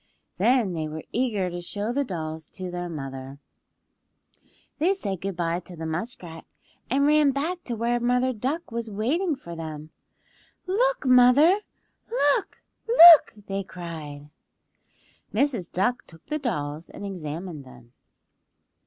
Then they were eager to show the dolls to their mother. They said good bye to the muskrat, and ran back to where Mother Duck was waiting for them, "Look, mother! Look! Look!" they cried. Mrs. Duck took the dolls and examined them.